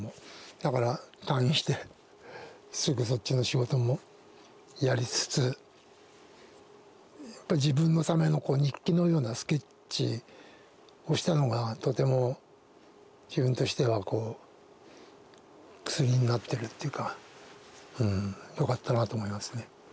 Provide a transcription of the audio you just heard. だから退院してすぐそっちの仕事もやりつつやっぱ自分のための日記のようなスケッチをしたのがとても自分としては薬になってるっていうかうんよかったなと思いますね。